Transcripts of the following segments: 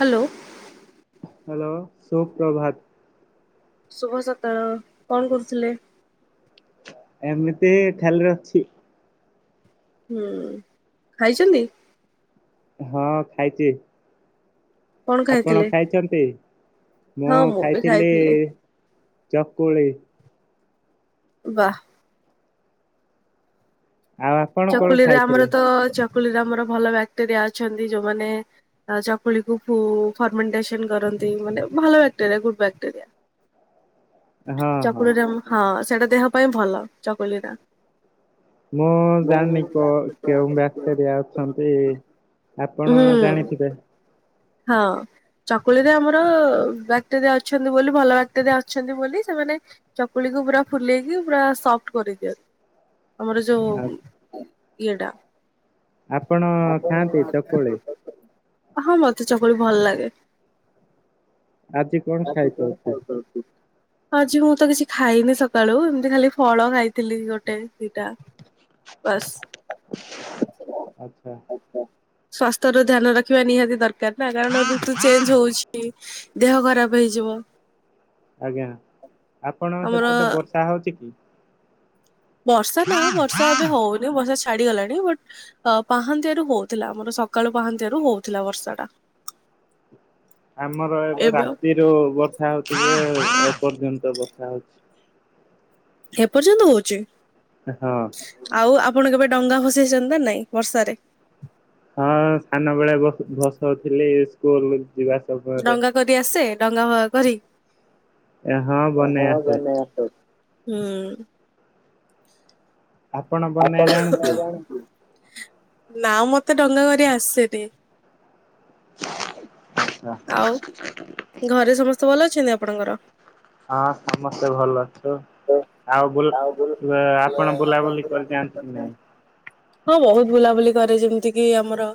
Hello. Hello ସୁ ପ୍ରଭାତ। ଶୁଭ ସକାଳ କଣ କରୁଥିଲେ? ଏମିତି ଖାଲିରେ ଅଛି। ହୁଁ ଖାଇଛନ୍ତି? ହଁ ଖାଇଚି। କଣ ଆପଣ ଖାଇଥିଲେ ଖାଇଚନ୍ତି? ମୁଁ ଖାଇଥିଲି ଚକୁଳି। ବାଃ। ଆଉ ଆପ୍ ଚକୁଳି ରେ ଆମର ତ ଚକୁଳିରେ ଆମର ଭଲ ବ୍ୟାକ୍ଟେରିଆ ଅଛନ୍ତି ଯୋଉମାନେ ଚକୁଳିକୁ ଫର୍ମେଣ୍ଟେସନ୍ କରନ୍ତି ମାନେ ଭଲ ବ୍ୟାକ୍ଟେରିଆ ଗୁଡ୍ ବ୍ୟାକ୍ଟେରିଆ। ହଁ ହଁ ଚକୁଳି ଟା ହଁ ସେଇଟା ଦେହ ପାଇଁ ଭଲ ଚକୁଳି ଟା। ମୁଁ ଜାଣିନି କୁହ କେଉଁ ବାକ୍ ଵ୍ୟାକ୍ଟେରିଆ ଅଛନ୍ତି ଆପଣ ହୁଁ ଜାଣିଥିବେ? ହଁ। ଚକୁଳିରେ ଆମର ବ୍ୟାକ୍ଟରିଆ ଅଛନ୍ତି ବୋଲି ଭଲ ବ୍ୟାକ୍ଟରିଆ ଅଛନ୍ତି ବୋଲି ସେମାନେ ଚକୁଳିକୁ ପୁରା ଫୁଲେଇକି ପୁରା ସଫ୍ଟ କରିଦିଅନ୍ତି। ଆମର ଆ ଯୋଉ ଇଏଟା। ଆପଣ ଖାଆନ୍ତି ଚକୁଳି? ହଁ ମତେ ଚକୁଳି ଭଲ ଲାଗେ। ଆଜି କଣ ଆଜି କଣ ଖାଇଛନ୍ତି? ଖାଇଚନ୍ତି? ଆଜି ମୁଁ ତ କିଛି ଖାଇନି ସକାଳୁ ଏମିତି ଖାଲି ଫଳ ଖାଇଥିଲି ଗୋଟେ ଦିଟା ବାସ୍। ଆଚ୍ଛା ସ୍ଵାସ୍ଥ୍ୟ ର ଧ୍ୟାନ ରଖିବା ନିହାତି ଦରକାର ନା କାରଣ ଋତୁ ଚେଞ୍ଜ୍ ହଉଚି। ଦେହ ଖରାପ ହେଇଯିବ। ଆଜ୍ଞା, ଆପଣ ଆମର ସେପଟେ ବର୍ଷା ହଉଚି କି? ବର୍ଷା ନା ବର୍ଷା ଏବେ ହଉନି ବର୍ଷା ଛାଡିଗଲାଣି ବଟ୍ ଅ ପାହାନ୍ତିଆ ରୁ ହଉଥିଲା ଆମର ସକାଳୁ ପାହାନ୍ତିଆ ରୁ ହଉଥିଲା ବର୍ଷା ଟା। ଆମର ଏବେ ରାତିରୁ ବର୍ଷା ହଉଚି ଯେ ଏପର୍ଯ୍ୟନ୍ତ ବର୍ଷା ହଉଚି। ଏପର୍ଯ୍ୟନ୍ତ ହଉଚି? ହଁ। ଆଉ ଆପଣ କେବେ ଡଙ୍ଗା ଭସେଇଚନ୍ତି ନା ନାଇଁ ବର୍ଷାରେ? ହଁ ସାନବେଳେ ଭସ୍ ଭସଉଥିଲି ସ୍କୁଲ କୁଯିବା ଡଙ୍ଗା କରି ଆସେ ଡଙ୍ଗା ଫଙ୍ଗା କରି? ହଁ ଅ ବନେଇ ହଉ ଆସେ ଧନ୍ୟବାଦ୍ [inaudible] ହୁଁ। ଆପଣ ବନେଇ ଆପଣ ଡଙ୍ଗା ଜାଣନ୍ତି? ଜାଣିଚ? ନା ମତେ ଡଙ୍ଗା କରି ଆସେନି। ଆଉ ଘରେ ସମସ୍ତେ ଭଲ ଅଛନ୍ତି ଆପଣଙ୍କର? ହଁ ସମସ୍ତେ ଭଲ ଅଛୁ। ଆଉ ବୁ ଆପଣ ବୁଲାବୁଲି କରିଯାଆନ୍ତି କି ନାଇଁ? ହଁ ବହୁତ୍ ବୁଲାବୁଲି କରେ ଯେମିତି କିି ଆମର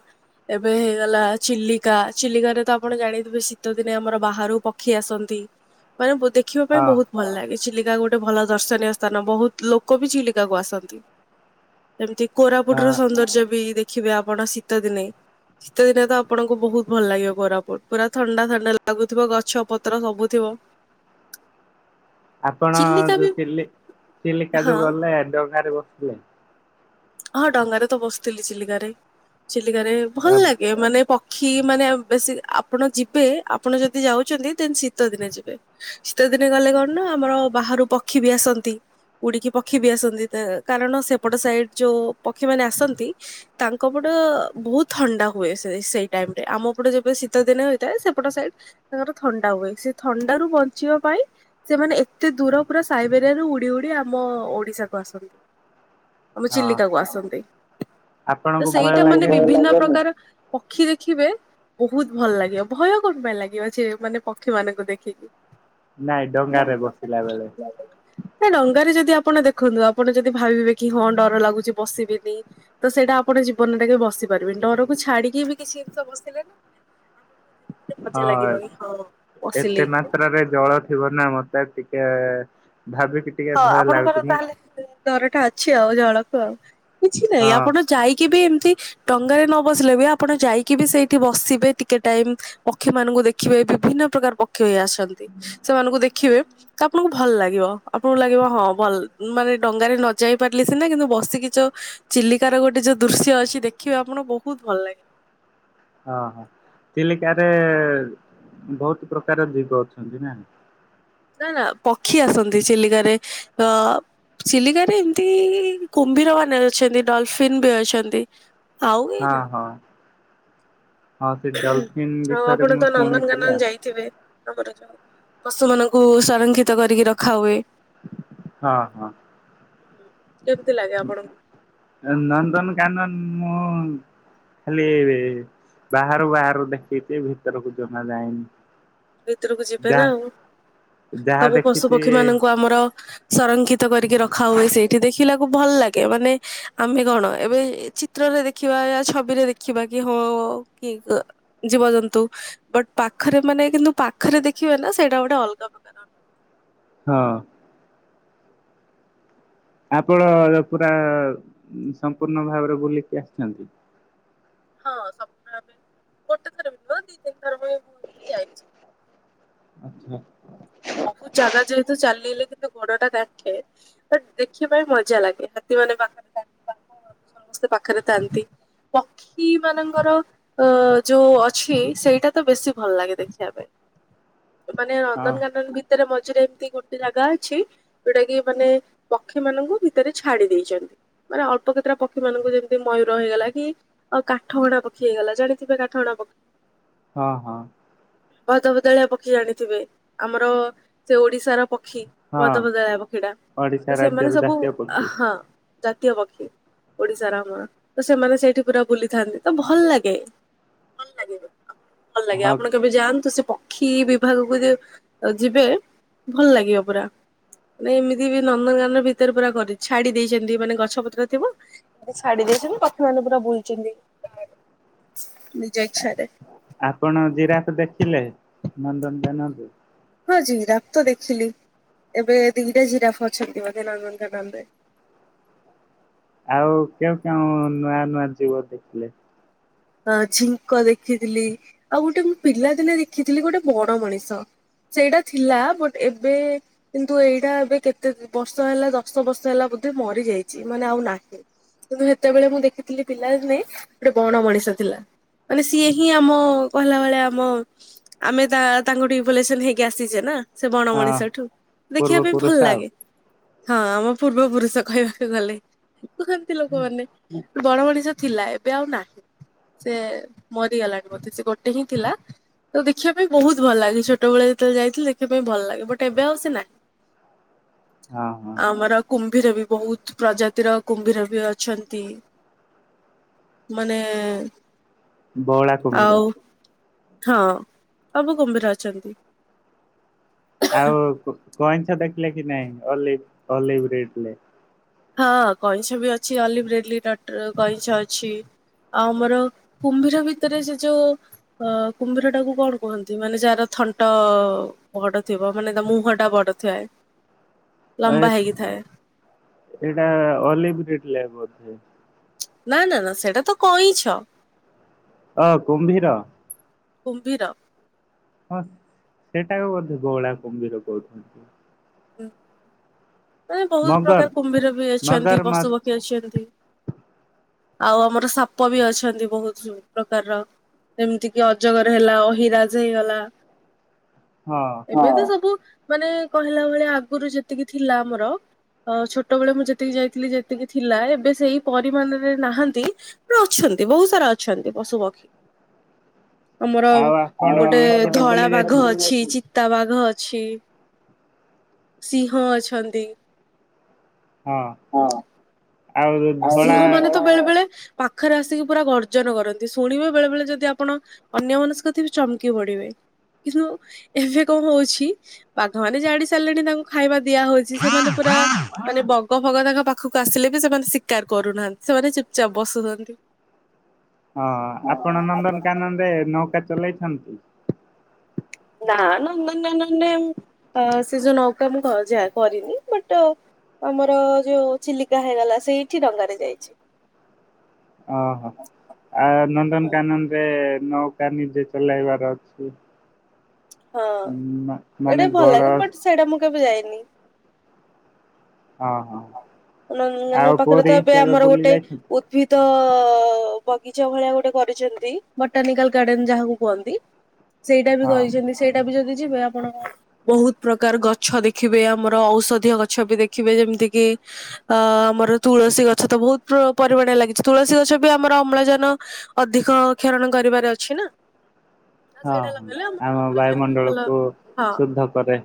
ଏବେ ହେଇଗଲା ଚିଲିକା ଚିଲିକାରେ ତ ଆପଣ ଜାଣିଥିବେ ଶୀତ ଦିନେ ଆମର ବାହାରୁ ପକ୍ଷୀ ଆସନ୍ତି ମାନେ ଦେଖିବା ପାଇଁ ହଁ ବହୁତ୍ ଭଲ ଲାଗେ ଚିଲିକା ଗୋଟେ ଭଲ ଦର୍ଶନୀୟ ସ୍ଥାନ ବହୁତ ଲୋକ ବି ଚିଲିକାକୁୁ ଆସନ୍ତି। ଏମିତି କୋରାପୁଟ ର ସୌନ୍ଦର୍ଯ୍ୟ ବି ଦେଖ୍ ଖିବେ ଆପଣ ଶୀତ ଦିନେ ଶୀତ ଦିନେ ତ ଆପଣଙ୍କୁ ବହୁତ ଭଲ ଲାଗିବ କୋରାପୁଟ୍। ପୁରା ଥଣ୍ଡା ଥଣ୍ଡା ଲାଗୁଥିବ ଗଛ ପତ୍ର ସବୁ ଥିବ। ଆପଣ ଚିଲିକା ବି ଯୋଉ ଚିଲି ଚିଲିକା ହଁ ଯୋଉ ଗଲେ ଡଙ୍ଗାରେ ବସିଥିବେ। ହଁ ଡଙ୍ଗାରେ ତ ବସିଥିଲି ଚିଲିକାରେ ଚିଲିକାରେ ଭଲ ହଁ ଲାଗେ ମାନେ ପଖ୍ ଖି ମାନେ ବେଶୀ ଆପଣ ଯିବେ ଆପଣ ଯଦି ଯାଉଛନ୍ତି ଦେନ ଶୀତ ଦିନେ ଯିବେ। ଶୀତ ଦିନେ ଗଲେ କଣ ନା ଆମର ବାହାରୁ ପକ୍ଷୀ ବି ଆସନ୍ତି। ଉଡିକି ପକ୍ଷୀ ବି ଆସନ୍ତି କାରଣ ସେପଟ ସାଇଡ ଯୋଉ ପକ୍ଷୀ ମାନେ ଆସନ୍ତି ତାଙ୍କ ପଟ ବହୁତ ଥଣ୍ଡା ହୁଏ ସେ ସେଇ ଟାଇମରେ ଆମ ପଟେ ଯେବେ ଶୀତ ଦିନେ ହେଇଥାଏ ସେପଟ ସାଇଡ ତାଙ୍କର ଥଣ୍ଡା ହୁଏ ସେ ଥଣ୍ଡା ରୁ ବଞ୍ଚିବା ପାଇଁ ସେମାନେ ଏତେ ଦୂର ପୁରା ସାଇବେରିଆରୁ ଉଡି ଉଡି ଆମ ଓଡିଶାକୁ ଆସନ୍ତି। ଆମ ଚିଲିକା କୁ ଆସନ୍ତି ତ ଆପଣଙ୍କୁ ଭୟ ସେଇଟା ମାନେ ବିଭିନ୍ନ ଲାଗେନି? ବିଭିନ୍ନ ପ୍ରକାର ପକ୍ଷୀ ଦେଖିବେ ବହୁତ ଭଲ ଲାଗିବ ଭୟ କଣ ପାଇଁ ଲାଗିବ ସେ ମାନେ ପକ୍ଷୀ ମାନଙ୍କୁ ଦେଖିକି। ନାଇଁ ଡଙ୍ଗା ରେ ବସିଲା ବେଳେ। ନା ଡଙ୍ଗାରେ ଯଦି ଆପଣ ଦେଖନ୍ତୁ ଆପଣ ଯଦି ଭାବିବେ କି ହଁ ଡର ଲାଗୁଛି ବସିବିନି। ତ ସେଇଟା ଆପଣ ଜୀବନ ରେ କେବେ ବସି ପାରିବେନି ଡରକୁ ଛାଡିକି ବି କିଛି ଜିନିଷ ବସିଲେ ନା ଆଉ କଣ କୁହ ଦିଦି। ହଁ ଏତେ ମାତ୍ରାରେ ଜଳ ଥିବ ନା ମତ୍ ମତେ ଟିକେ ଭାବିକି ଟିକେ ହଁ ଭୟ ଲାଗୁଛି ଆପଣଙ୍କର ମୁଁ ତାହେଲେ ଡରଟା ଅଛି ଆଉ ଜଳକୁ ଆଉ କିଛି ନାହିଁ ହଁ ଆପଣ ଯାଇକି ବି ଏମିତି ଡଙ୍ଗାରେ ନ ବସିଲେ ବି ଆପଣ ଯାଇକି ବି ସେଇଠି ବସିବେ ଟିକେ ଟାଇମ। ପକ୍ଷୀ ମାନଙ୍କୁ ଦେଖିବାେ ବିଭିନ୍ନ ପ୍ରକାର ପକ୍ଷୀ। ଖୀ ଇ ଆସନ୍ତି ସେମାନଙ୍କୁ ଦେଖିବେ ତ ଆପଣଙ୍କୁ ଭଲ ଲାଗିବ। ଆପଣଙ୍କୁ ଲାଗିବ ହଁ ଭଲ ମାନେ ଡଙ୍ଗାରେ ନ ଯାଇ ପାରିଲି ସିନା କିନ୍ତୁ ବସିକି ତ ଚିଲିକାର ଗୋଟେ ଯୋଉ ଦୃଶ୍ୟ ଅଛି ଦେଖିବେ ଆପଣଙ୍କୁ ବହୁତ ଭଲ ଲାଗେ। ଅ ହଁ ଚିଲିକାରେ ବହୁତ ପ୍ରକାର ଜୀବ ଅଛନ୍ତି ନା। ନା ନା ପକ୍ଷୀ ଆସନ୍ତି ଚିଲିକାରେ ତ ଚିଲିକାରେ ଏମିତି କୁମ୍ଭୀର ମାନେ ଅଛନ୍ତି ଡଲଫିନ୍ ବି ଅଛନ୍ତି। ଆଉ କେହି ଆ ନା ହଉ। ଆଉ ବିଷୟରେ ଆପଣ ମୁଁ ତ ଶୁଣିଥିଲି ନନ୍ଦନକାନନ ଆଉ ଯାଇଥିବେ। ଆମର ଯୋଉ ପଶୁ ମାନଙ୍କୁ ସଂରକ୍ଷିତ କରିକି ରଖା ହୁଏ। ହଁ ହଁ। ହଁ କେମତି ଲାଗେ ଆପଣଙ୍କୁ। ନନ୍ଦନକାନନ ମୁଁ ଖାଲି ବାହାରୁ ବାହାରୁ ଦେଖିଛି ଭିତରକୁ ଜମା ଯାଇନି। ଭିତରକୁ ଯିବେ ନା ଯାହା ଆଉ ଯାହା ସବୁ ପଶୁ ଦେଖିଛି ପକ୍ଷୀ ମାନଙ୍କୁ ଆମର ସଂରକ୍ଷିତ କରିକି ରଖା ହୁଏ ସେଇଠି ଦେଖିଲାକୁ ଭଲ ଲାଗେ ମାନେ ଆମେ କଣ ଏବେ ଚିତ୍ରରେ ଦେଖିବା ଛବିରେ ଦେଖିବା କି ହଁ ଆଉ କି ଅ ଜୀବଜନ୍ତୁ ବଟ ପାଖରେ ମାନେ କିନ୍ତୁ ପାଖରେ ଦେଖିବେ ନା ସେଇଟା ଗୋଟେ ଅଲଗା ପ୍ରକାର। ହଁ। ହଁ। ଆପଣ ପୁରା ସମ୍ପୂର୍ଣ୍ଣ ଭାବରେ ବୁଲିକି ଆସିଛନ୍ତି। ହଁ ସଂପୂର୍ଣ୍ଣ ଭାବରେ ଗୋଟେ ଥର ବି ନୁହଁ ଦି ତିନିଥର ଭଳିଆ ମୁଁ ଏମିତି ଯାଇଛି। ଆଚ୍ଛା। ବହୁତ ଜାଗା ଯେହେତୁ ଚାଲିିଲି କିନ୍ତୁ ଗୋଡଟା ଦାଖେ ଦେଖିବା ପାଇଁ ମଜା ଲାଗେ ହାତୀ ମାନେ ପାଖରେ ଥାନ୍ତି ବାଘ ସମସ୍ତେ ପାଖରେ ଥାଆନ୍ତି। ପକ୍ଷୀ ମାନଙ୍କର, ଅ ଯୋଉ ଅଛି, ସେଇଟା ତ ବେଶୀ ଭଲ ଲାଗେ ଦେଖିବା ପାଇଁ। ମାନେ ହଁ ନନ୍ଦନକାନନ ଭିତରେ ମଝିରେ ଏମିତି ଗୋଟେ ଜାଗା ଅଛି, ଯୋଉଟା କି ମାନେ ପକ୍ଷୀ ମାନଙ୍କୁ ଭିତରେ ଛାଡି ଦେଇଛନ୍ତି। ମାନେ ଅଳ୍ପ କେତେଟା ପକ୍ଷୀ ମାନଙ୍କୁ ଯେମିତି ମୟୂର ହେଇଗଲା କି। ଆଉ କାଠହଣା ପକ୍ଷୀ ହେଇଗଲା, ଜାଣିଥିବେ କାଠହଣା ପକ୍ଷୀ। ହଁ ହଁ, ଭଦଭଦଳିଆ ପକ୍ଷୀ ଜାଣିଥିବେ, ଆମର ସେ ଓଡିଶାର ପକ୍ଷୀ। ହଁ ବଦବଦଳିଆ ପକ୍ଷୀ ଟା ଓଡିଶା ତ ରାଜ୍ୟର ସେମାନେ ସବୁ ଜାତୀୟ ପକ୍ଷୀ ହଁ। ଜାତୀୟ ପକ୍ଷୀ ଓଡିଶାର ଆମର। ତ ସେମାନେ ସେଇଠି ପୁରା ବୁଲିଥାନ୍ତି। ତ ଭଲ ଲାଗେ, ଭଲ ଲାଗେ ଭଲ ଲାଗେ ଆପଣଙ୍କୁ ହଁ ଆପଣ କେବେ ଯାଆନ୍ତୁ ସେ ପକ୍ଷୀ ବିଭାଗକୁ ଯେ, ଯିବେ ଭଲ ଲାଗିବ ପୁରା, ମାନେ ଏମିତି ବି ନନ୍ଦନକାନ ଭିତରେ ପୁରା କରି ଛାଡି ଦେଇଛନ୍ତି ମାନେ ଗଛ ପତ୍ର ଥିବ। ଏମତି ଛାଡି ଦେଇେଇଛନ୍ତି, ପକ୍ଷୀମାନେ ପୁରା ବୁଲୁଛନ୍ତି ନିଜ ଇଛାରେ। ଆପଣ ଜିରାଫ ଦେଖିଲେ ନନ୍ଦନ କାନନରେ, ହଁ ଜିରାଫ ତ ଦେଖିଲି ଏବେ ଦିଟା ଜିରାଫ ଅଛନ୍ତି ବୋଧେ ନନ୍ଦନକାନନରେ, ଆଉ କେଉଁ କେଉଁ ନୂଆ ନୂଆ ଯୀବ ଦେଖିଲେ, ହଁ ଛିଙ୍କ ଦେଖିଥିଲି, ଆଉ ଗୋଟେ ପିଲାଦିନେ ଦେଖିଥିଲି ଗୋଟେ ବଡ ମଣିଷ। ସେଇଟା ଥିଲା ବଟ୍ ଏବେ କିନ୍ତୁ ଏଇଟା ଏବେ କେତେ ବର୍ଷ ହେଲା ଦଶ ବର୍ଷ ହେଲା ବୋଧେ ମରି ଯାଇଛି ମାନେ ଆଉ ନାହିଁ। କିନ୍ତୁ ସେତେବେଳେ ମୁଁ ଦେଖିଥିଲି ପିଲା ଦିନେଗୋଟେ ବଣ ମଣିଷ। ଥିଲା, ମାନେ ସିଏ ହିଁ ଆମକହିଲା ଭଳିଆ ଆମ। ଆମେ ତା ତାଙ୍କୁ ଟିଫଲେସନ ହେଇକି ଆସିଛେ ନା, ସେ ବଣ ହଁ ମଣିଷ ଠୁ ପୂର୍ବ ଦେଖିବା ପାଇଁ ଭଲ ପୁରୁଷ ଆଉ ଲାଗେ, ହଁ ଆମ ପୂର୍ବ ପୁରୁଷ କହିବାକୁ ଗଲେ କୁହନ୍ତି ଲୋକମାନେ, ବଣମଣିଷ ଥିଲା ଏବେ ଆଉ ନାହିଁ। ସେ ମରିଗଲା ବୋଧେ ସେ ଗୋଟେ ହିଁ ଥିଲା। ତ ଦେଖିବା ପାଇଁ ବହୁତ ଭଲ ଲାଗେ। ଛୋଟବେେଳେ ଯେତେବେଳେ ଯାଇଥିଲେ ଦେଖିବାପାଇଁ ଭଲ ଲାଗେ ବଟ ଏବେ ଆଉ ସେ ନାହିଁ। ହଁ ହଁ ଆମର, କୁମ୍ଭୀର ବି ବହୁତ ପ୍ରଜାତିର କୁମ୍ଭୀର ବି ଅଛନ୍ତି। ମାନେ ବଅଳା, ଆଉ ହଁ ସବୁ କୁମ୍ଭୀର ଅଛନ୍ତି, ଆଉ କଇଁଛଦେଖିଲ କି ନାଇଁ ଅଲିଭ ଅଲିଭ ଦେଇଥିଲେ, ହଁ କଇଁଛ ବି ଅଛି ଅଲିଭ ରେଡିଲନଟ୍ କଇଁଛ ଅଛି। ଆମର କୁମ୍ଭୀର ଭିତରେ ସେ ଯୋଉ? ଅ କୁମ୍ଭୀର ଟାକୁ କଣ କୁହନ୍ତି ମାନେ ଯାହାର ଥଣ୍ଟ? ବଡ ଥିବ ମାନେ ତା ମୁହଁ ଟା ବଡ ଥାଏ ଏ ଲମ୍ବା ହେଇକି ଥାଏ। ଏଇଟା ଅଲିିବିରିଡି ଲାଇଫବୋଧେ ନା ନା ନା ସେଇଟା ତ କଇଁଛ, ଅ କୁମ୍ଭୀର। କୁମ୍ଭୀର। ହଁ ସେଟା କୁ ବୋଧେଗୋଉଳାକୁମ୍ଭୀର କହୁଛନ୍ତି? ହୁଁ, ମାନେ ବହୁତ ମଗର ପ୍ରକାର କୁମ୍ଭୀର ବି ଅଛନ୍ତି ମଗର ମାଛ ପଶୁପକ୍ଷୀ, କିଏ ଅଛନ୍ତି କି? ଆଉ ଆମର ସାପ ବି ଅଛନ୍ତି ବହୁତ ପ୍ରକାରର, ଏମିତି କିି ଅଜଗର ହେଲା ଅହିରାଜ ହେଇଗଲା। ହଁ। ଏବେ ସବୁ ମାନେ କହିଲା ଭଳିଆ ଆଗରୁ ଯେତିକି ଥିଲା ଆମର ଅ ଛୋଟବେଳେ ମୁଁ ଯେତିକି ଯାଇଥିଲି ଯେତିକି ଥିଲା ଏବେ ସେଇ ପରିମାଣରେ ନାହାନ୍ତି ଆହୁରି ଅଛନ୍ତି ବହୁତ ସାରା ଅଛନ୍ତି ପଶୁ ପକ୍ଷୀ। ଆମର ଆଉ ଆପଣ ଗୋଟେ ଏପଟେ ଧଳା ବୁଲି ବାଘ ଯାଇଛନ୍ତି? ଅଛି ଚି ଚିତା ବାଘ ଅଛି ସିଂହ ଅଛନ୍ତି। ହଁ। ଆଉ ଧଳା ସିଂହ ମାନେ ତ ବେଳେ ବେଳେ ପାଖରେ ଆସିକି ପୁରା ଗର୍ଜନ କରନ୍ତି ଶୁଣିବେ ବେଳେ ବେଳେ ଯଦି ଆପଣ? ଅନ୍ୟ ଅନ୍ୟମନସ୍କ ଥିବେ ଚମକି ପଢିବେ। କିନ୍ତୁ ଏବେ କଣ ହଉଛି ବାଘ ମାନେ ଜାଣି ସାରିଲେଣି ତାଙ୍କୁ ଖାଇବା ଦିଆ ହଉଛି। ସେମାନେ ପୁରା ମାନେ ବଗ ଫଗ ତାଙ୍କ ପାଖକୁ ଆସିଲେ ବି ସେମାନେ ଶ ସିକାର କରୁନାହାନ୍ତି ସେମାନେ ଚୁପଚାପ୍ ବସୁଛନ୍ତି। ହଁ ଆପଣ ନନ୍ଦନକାନନରେ ନୌକା ଚଲେଇଛନ୍ତି। ନା ନନ୍ଦନ କାନନ ରେ ସେ ଯୋଉ ନୌକା ମୁଁ ଯାହା କରିନି ବଟ ଆମର ଯୋଉ ଚିଲିକା ହେଇଗଲା ସେଇଠି ଡଙ୍ଗାରେ ଯାଇଛି। ଓହୋ ଆ ନନ୍ଦନକାନନ ରେ ନୌକା ନିଜେ ଚଲେଇବାର ହଁ ମା ସେଇଟା ମାନେ ବି ଭଲ ଗଡ ଲାଗେ ବଟ ସେଇଟା ମୁଁ କେବେ ଯାଇନି। ଓହୋ। ନନ୍ଦନକାନନ ପାଖରେ ତ ଏବେ ଆମର ବୁଲି ଗୋଟେ ଯାଇଛନ୍ତି? ଉଦ୍ଭିଦ ବଗିଚା ଭଳିଆ ଗୋଟେ କରିଛନ୍ତି ବଟାନିକାଲ ଗାର୍ଡେନ ଯାହାକୁ କୁହନ୍ତି। ସେଇଟା ବି ହଁ କରିଛନ୍ତି ସେଇଟା ବି ଯଦି ଯିବେ ଆପଣ ବହୁତ ପ୍ରକାର ଗଛ ଦେଖିବେ ଆମର ଔଷଧୀୟ ଗଛ ବି ଦେଖିବେ ଯେମିତି କିି ଅ ଆମର ତୁଳସୀ ଗଛ ତ ବହୁତ ପରିମାଣ ଲାଗିଛି ତୁଳସୀ ଗଛ ବି ଆମର ଅମ୍ଳଜାନ ଅଧିକ କ୍ଷରଣ କରିବାର ଅଛି ନା। ତା ହଁ ସଇଡ ହଁ। ଲଗିଲ ଆମର ଆମ ଅମ୍ଳଜାନ ବି ଭଲ ବାୟୁମଣ୍ଡଳକୁ ହଁ। ଶୁଦ୍ଧ କରେ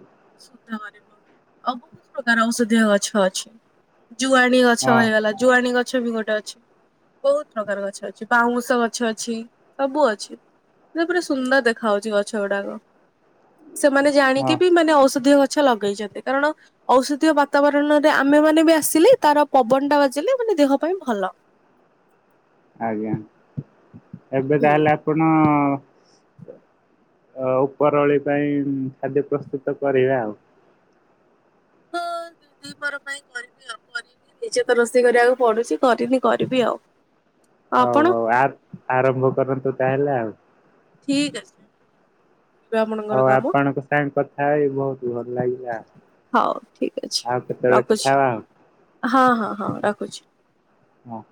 ବହୁତ ପ୍ରକାର ଔଷଧିୀୟ ଗଛ ଅଛି। ଜୁଆଣ ଗଛ ହଁ ହେଇଗଲା ଜୁଆଣ ଗଛ ବି ଗୋଟେ ଅଛି। ବହୁତ ପ୍ରକାର ଗଛ ଅଛି ବାଉଁଶ ଗଛ ଅଛି ସବୁ ଅଛି। ପୁରା ସୁନ୍ଦର ଦେଖା ହାଉଛି ଗଛ ଗୁଡାକ ସେମାନେ ହଁ। ଜାଣିକି ବି ମାନେ ଔଷଧୀୟ ଗଛ ଗଛ ଲଗେଇଛନ୍ତି କାରଣ ଔଷଧୀୟ ବାତାବରଣରେ ଆମେ ମାନେ ବି ଆସିଲେ ତାର ପବନ ଟା ବାଜିଲେ ମାନେ ଦେହ ପାଇଁ ଭଲ। ଆଜ୍ଞା ଏବେ ହୁଁ। ତାହେଲେ ଆପଣ ଅ ଉପରଓଳି ପାଇଁ ଖାଦ୍ୟ ପ୍ରସ୍ତୁତ କରିବେ ଆଉ। ହଁ ଦ ଦିପର ପାଇଁ କରିବି ଆଉ। ନିଜେ ତ ରୋଷେଇ କରିବାକୁ ପଡୁଛି କରିନି କରିବି ଆଉ। ହଉ ଆପଣ ହଉ ଆ ଆରମ୍ଭ କରନ୍ତୁ ତାହେଲେ ଆଉ। ଠିକ ଅଛି। କରିବେ ଆପଣଙ୍କର ହଉ କାମ ଆପଣଙ୍କ ସାଙ୍ଗେ କଥା ହେଇ ବହୁତ ଭଲ ଲାଗିଲା। ହଉ ଠିକ ଆଉ ଅଛି କେତେବେଳେ କଥା ରଖୁଛି ହବା ଆଉ ହଁ ହଁ ହଁ ରଖୁଛି। ହଁ।